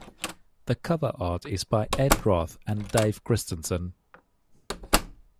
The cover art is by Ed Roth and Dave Christensen.